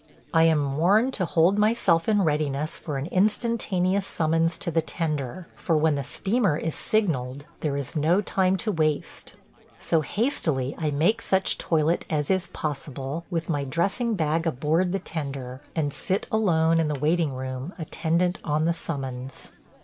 I am warned to hold myself in readiness for an instantaneous summons to the tender, for when the steamer is signalled there is no time to waste. So hastily I make such toilet as is possible with my dressing bag aboard the tender, and sit alone in the waiting room attendant on the summons.